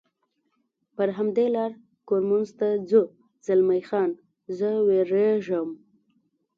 پر همدې لار کورمونز ته ځو، زلمی خان: زه وېرېږم.